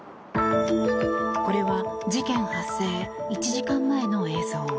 これは事件発生１時間前の映像。